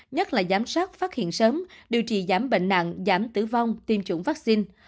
nhất là giám sát phát hiện sớm điều trị giảm bệnh nặng giảm tử vong tiêm chủng vaccine